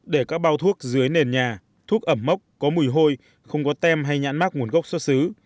để các bao thuốc dưới nền nhà thuốc ẩm mốc có mùi hôi không có tem hay nhãn mắc nguồn gốc xuất xứ